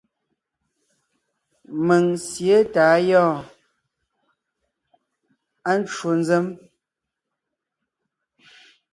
Mèŋ sǐe tà á gyɔ́ɔn; À ncwò nzèm.